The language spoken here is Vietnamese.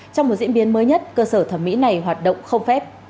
trong một diễn biến mới nhất cơ sở thẩm mỹ này hoạt động không phép